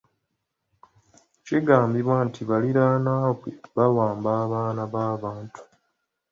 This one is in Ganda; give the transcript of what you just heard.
Kigambibwa nti baliraanwa be bawamba abaana b'abantu.